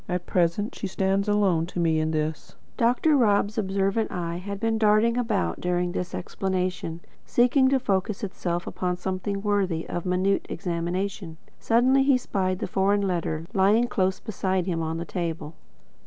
At present she stands alone to me in this." Dr. Rob's observant eye had been darting about during this explanation, seeking to focus itself upon something worthy of minute examination. Suddenly he spied the foreign letter lying close beside him on the table.